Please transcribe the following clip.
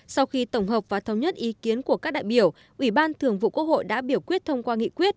sau khi tổng hợp và thống nhất ý kiến của các đại biểu ủy ban thường vụ quốc hội đã biểu quyết thông qua nghị quyết